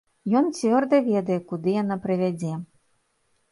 Ён цвёрда ведае, куды яна прывядзе.